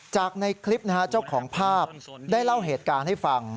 จากในคลิปนะฮะเจ้าของภาพได้เล่าเหตุการณ์ให้ฟัง